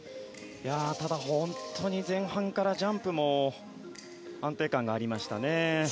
ただ、本当に前半からジャンプも安定感がありましたね。